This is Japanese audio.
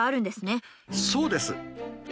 そうです。